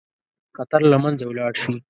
خطر له منځه ولاړ شي.